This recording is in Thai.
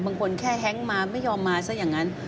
บางคนแค่แฮงก์มาไม่ยอมมาซะอย่างนั้น